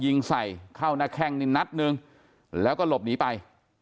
ยิงใส่เข้าหน้าแข้งนี่นัดหนึ่งแล้วก็หลบหนีไป